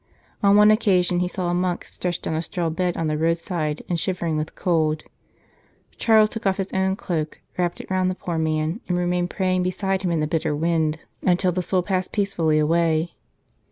On one occasion he saw a monk stretched on a straw bed on the roadside and shivering with cold. Charles took off his own cloak, wrapped it round the poor man, and remained praying beside him in the bitter wind, 152 " The Greater of These " until the soul passed peacefully away.